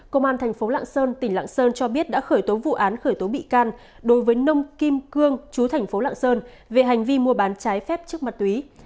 công an thành phố lạng sơn tỉnh lạng sơn cho biết đã khởi tố vụ án khởi tố bị can đối với nông kim cương chú thành phố lạng sơn về hành vi mua bán trái phép trước mặt túy